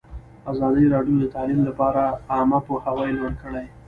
ازادي راډیو د تعلیم لپاره عامه پوهاوي لوړ کړی.